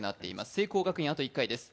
聖光学院、あと１回です。